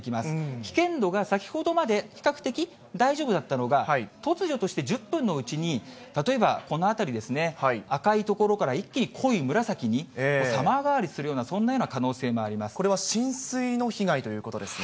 危険度が、先ほどまで比較的、大丈夫だったのが、突如として１０分のうちに、例えばこの辺りですね、赤い所から一気に濃い紫に様変わりするような、そんなような可能これは浸水の被害ということですね。